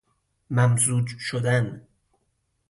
ممزوج شدن